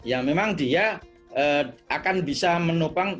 ya memang dia akan bisa menopang